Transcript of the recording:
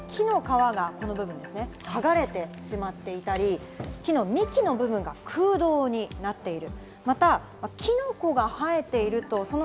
例えば木の皮がこの部分、はがれてしまっていたり、木の幹の部分が空洞になっている。